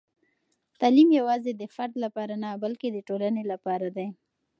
تعلیم یوازې د فرد لپاره نه، بلکې د ټولنې لپاره دی.